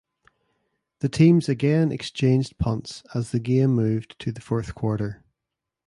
The teams again exchanged punts as the game moved to the fourth quarter.